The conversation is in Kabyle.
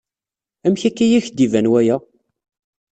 Amek akka i ak-d-iban waya?